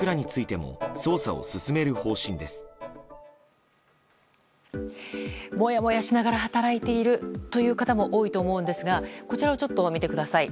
もやもやしながら働いているという方も多いと思うんですがこちらを見てください。